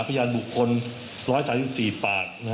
พยานบุคคล๑๓๔ปาก